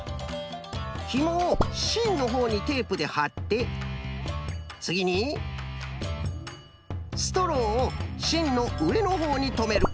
ひもをしんのほうにテープではってつぎにストローをしんのうえのほうにとめる。